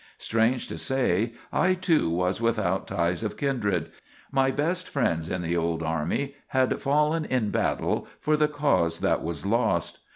Strange to say, I, too, was without ties of kindred. My best friends in the old army had fallen in battle for the cause that was lost.